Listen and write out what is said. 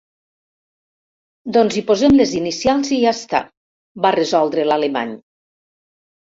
Doncs hi posem les inicials i ja està! —va resoldre l'alemany.